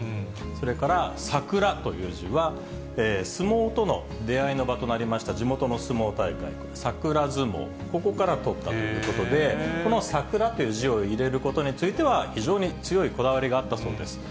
それから、桜という字は、相撲との出会いの場となりました、地元の相撲大会、桜ずもう、ここからとったということで、この桜という字を入れることについては、非常に強いこだわりがあったそうです。